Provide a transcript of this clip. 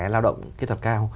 lao động kỹ thuật cao